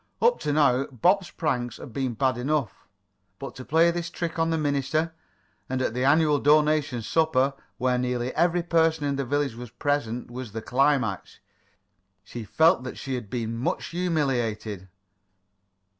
Up to now Bob's pranks had been bad enough, but to play this trick on the minister, and at the annual donation supper, where nearly every person in the village was present, was the climax. She felt that she had been much humiliated.